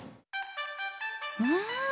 うん！